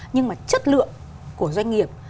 nhưng mà chất lượng của doanh nghiệp